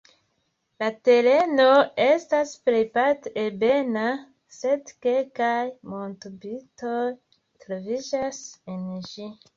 La tereno estas plejparte ebena, sed kelkaj montopintoj troviĝas en ĝi.